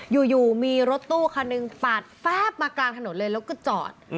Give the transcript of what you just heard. อยู่มีรถตู้คันหนึ่งปาดแฟบมากลางถนนเลยแล้วก็จอด